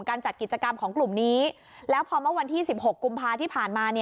จัดกิจกรรมของกลุ่มนี้แล้วพอเมื่อวันที่๑๖กุมภาที่ผ่านมา